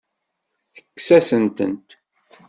Tekkes-asent-tent.